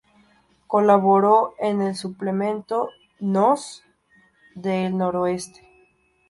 Colaboró en el suplemento "Nós" de "El Noroeste.